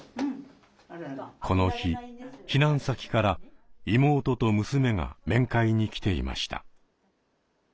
この日避難先から妹と娘が面会に来ていました。